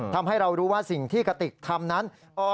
ทำให้เรารู้ว่าสิ่งที่กติกทำนั้น